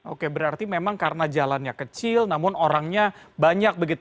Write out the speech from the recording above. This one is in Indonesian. oke berarti memang karena jalannya kecil namun orangnya banyak begitu